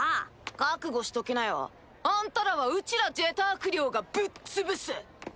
覚悟しときなよ。あんたらはうちらジェターク寮がぶっ潰す。